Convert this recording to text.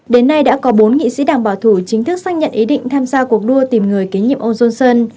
đến nay đã có bốn nghị sĩ đảng bảo thủ chính thức xác nhận ý định tham gia cuộc đua tìm người kế nhiệm ông johnson